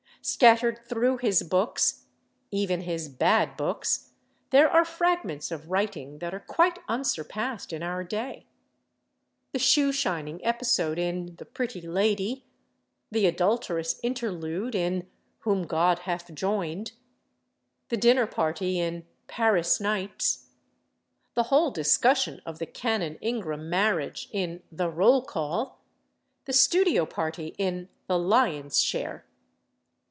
Scattered through his books, even his bad books, there are fragments of writing that are quite unsurpassed in our day—the shoe shining episode in "The Pretty Lady," the adulterous interlude in "Whom God Hath Joined," the dinner party in "Paris Nights," the whole discussion of the Cannon Ingram marriage in "The Roll Call," the studio party in "The Lion's Share."